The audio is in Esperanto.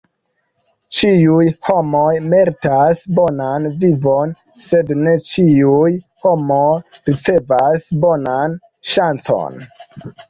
Ĉiuj homoj meritas bonan vivon, sed ne ĉiuj homoj ricevas bonan ŝancon.